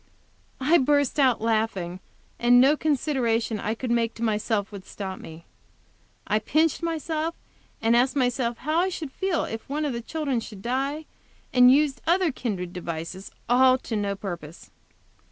I burst out laughing, and no consideration I could make to myself would stop me. I pinched myself, asked myself how I should feel if one of the children should die, and used other kindred devices all to no purpose.